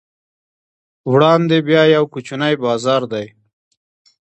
وړاندې بیا یو کوچنی بازار دی.